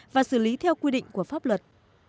và xử lý theo quy định của pháp luật